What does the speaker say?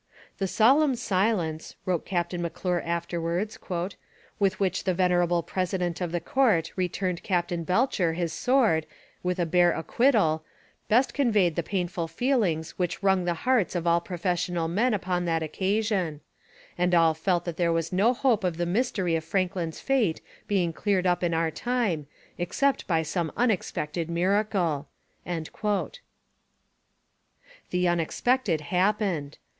'The solemn silence,' wrote Captain M'Clure afterwards, 'with which the venerable president of the court returned Captain Belcher his sword, with a bare acquittal, best conveyed the painful feelings which wrung the hearts of all professional men upon that occasion; and all felt that there was no hope of the mystery of Franklin's fate being cleared up in our time except by some unexpected miracle.' The unexpected happened.